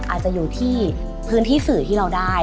อาจจะอยู่ที่พื้นที่สื่อที่เราได้